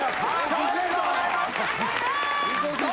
おめでとうございます。